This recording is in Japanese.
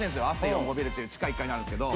４５ビルっていう地下１階にあるんですけど。